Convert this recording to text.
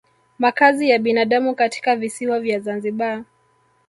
Makazi ya binadamu katika visiwa vya Zanzibar